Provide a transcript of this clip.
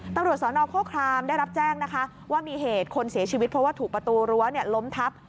ตำรวจสนโฆครามได้รับแจ้งนะคะว่ามีเหตุคนเสียชีวิตเพราะว่าถูกประตูรั้วล้มทับ